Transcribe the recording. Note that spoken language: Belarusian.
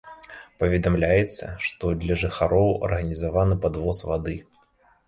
Паведамляецца, што для жыхароў арганізаваны падвоз вады.